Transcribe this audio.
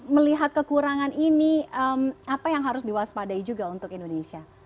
melihat kekurangan ini apa yang harus diwaspadai juga untuk indonesia